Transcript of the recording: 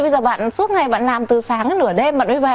bây giờ bạn suốt ngày bạn làm từ sáng đến nửa đêm bạn ấy về